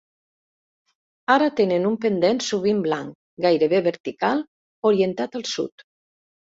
Ara tenen un pendent sovint blanc, gairebé vertical, orientat al sud.